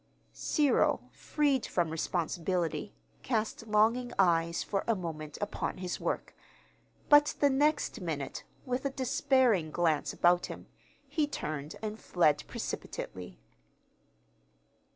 Cyril, freed from responsibility, cast longing eyes, for a moment, upon his work; but the next minute, with a despairing glance about him, he turned and fled precipitately.